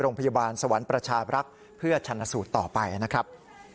โรงพยาบาลสวรรค์ประชาบรักษ์เพื่อชันสูตรต่อไปนะครับ